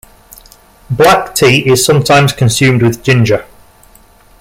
Black tea is sometimes consumed with ginger.